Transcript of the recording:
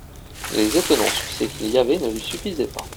Les étonnants succès qu'il y avait ne lui suffisaient pas.